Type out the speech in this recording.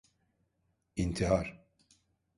İntihar…